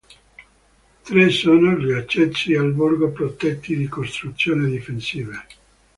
Tre sono gli accessi al borgo protetti da costruzioni difensive.